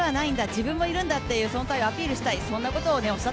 自分もいるんだと存在をアピールしたい。